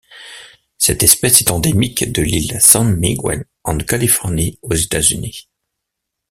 Cette espèce est endémique de l'île San Miguel en Californie aux États-Unis.